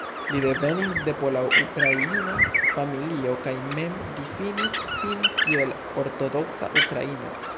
Li devenis de pola-ukraina familio kaj mem difinis sin kiel "ortodoksa ukraino".